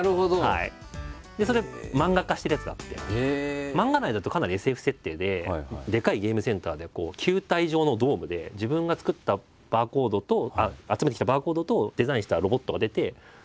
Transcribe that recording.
それ漫画化してるやつがあって漫画内だとかなりＳＦ設定ででかいゲームセンターで球体状のドームで自分が作ったバーコードと集めてきたバーコードとデザインしたロボットが出て戦うんですよ。